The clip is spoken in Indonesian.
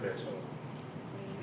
terus sekarang besok